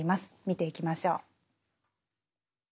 見ていきましょう。